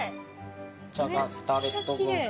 こちらがスターレット軍艦。